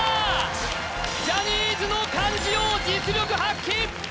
ジャニーズの漢字王実力発揮！